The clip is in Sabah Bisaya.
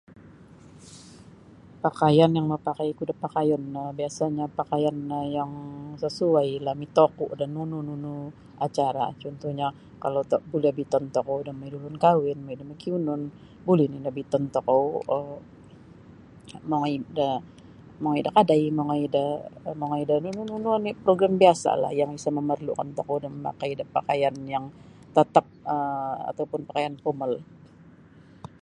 Pakaian yang mapakaiku da pakayun no biasanyo pakaian no yang sasuailah mitoku' da nunu-nunu acara cuntuhnyo kalau buli obiton tokou da mongoi da ulun kahwin, mongoi da makiunun, buli nini' obiton tokou um mongoi da mongoi da kadai mongoi da mongoi da nunu-nunu oni' program biasa'lah yang isa' momorlukan tokou da mamakai da pakaian yang tatap um ataupun pakaian formal.